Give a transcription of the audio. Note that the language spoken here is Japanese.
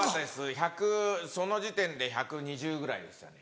１００その時点で１２０ぐらいでしたね。